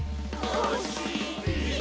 おしり！